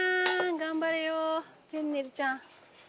頑張れよフェンネルちゃん。